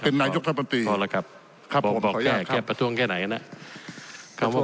เป็นนายกบบที่ครับครับผมบอกแค่เก็บประทรงแค่ไหนแล้วนะ